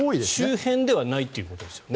周辺ではないということですよね。